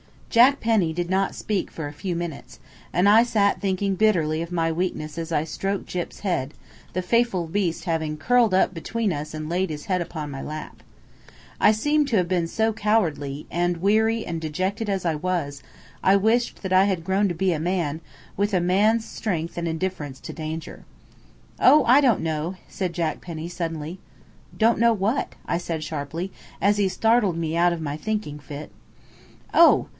Jack Penny did not speak for a few minutes, and I sat thinking bitterly of my weakness as I stroked Gyp's head, the faithful beast having curled up between us and laid his head upon my lap. I seemed to have been so cowardly, and, weary and dejected as I was, I wished that I had grown to be a man, with a man's strength and indifference to danger. "Oh, I don't know," said Jack Penny suddenly. "Don't know what?" I said sharply, as he startled me out of my thinking fit. "Oh!